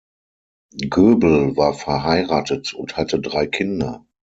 Göbel war verheiratet und hatte drei Kinder.